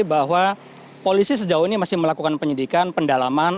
bahwa polisi sejauh ini masih melakukan penyidikan pendalaman